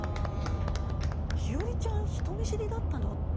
陽葵ちゃん人見知りだったのって。